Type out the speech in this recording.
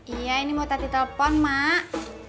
iya ini mau tadi telepon mak